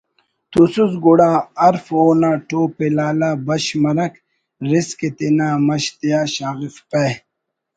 توسس گڑا ہرف اونا ٹوپ ءِ لالہ بش مرک رزق ءِ تینا مش تیا شاغفپہ